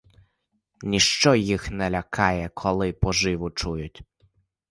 Ніщо їх не лякає, коли поживу чують!